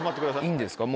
いいんですか？